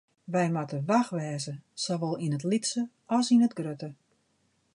Wy moatte wach wêze, sawol yn it lytse as yn it grutte.